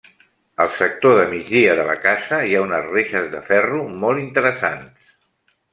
Al sector de migdia de la casa hi ha unes reixes de ferro molt interessants.